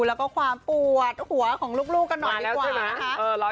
แล้วก็ความปวดหัวของลูกกันหน่อยดีกว่านะคะ